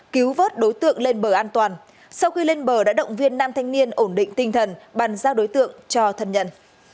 cho các thanh niên ổn định tinh thần bắn ra đối tượng cho thân nhận